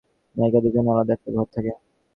নায়িকাদের জন্যে আলাদা একটা ঘর থাকে।